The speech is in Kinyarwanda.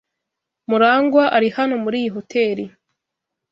Murangwa ari hano muri iyi hoteri.